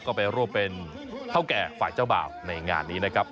ก็ไปร่วมเป็นเท่าแก่ฝ่ายเจ้าบ่าวในงานนี้นะครับ